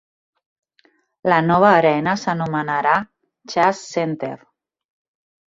La nova arena s'anomenarà Chase Center.